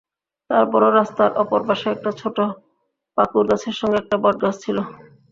তারপরও রাস্তার অপর পাশে একটা ছোট পাকুড়গাছের সঙ্গে একটা বটগাছ ছিল।